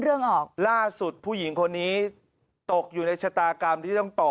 ออกล่าสุดผู้หญิงคนนี้ตกอยู่ในชะตากรรมที่ต้องต่อ